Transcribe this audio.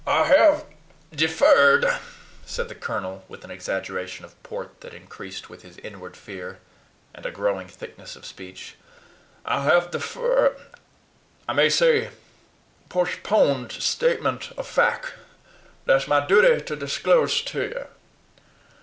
"I have deferred," said the colonel with an exaggeration of port that increased with his inward fear, and a growing thickness of speech "I have deferr I may say poshponed statement o' fack thash my duty ter dishclose ter ye.